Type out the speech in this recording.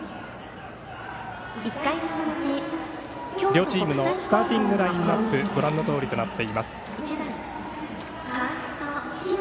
両チームのスターティングラインナップご覧のとおりとなっています。